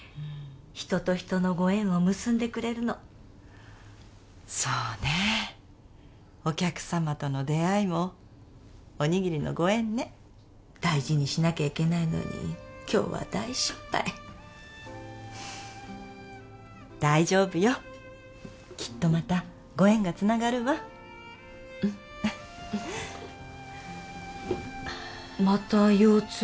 人と人のご縁を結んでくれるのそうねえお客様との出会いもおにぎりのご縁ね大事にしなきゃいけないのに今日は大失敗大丈夫よきっとまたご縁がつながるわうんああまた腰痛？